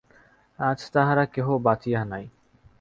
আজ তাহারা কেহ বাঁচিয়া নাই।